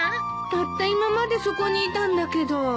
たった今までそこにいたんだけど。